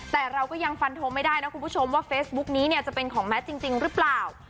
แต่เราก็ยังฟันทงไม่ได้นะคุณผู้ชมว่าเฟซบุ๊กนี้เนี่ยจะเป็นของแมทจริงหรือเปล่า